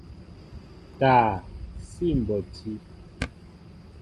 Taa síi mbɔti.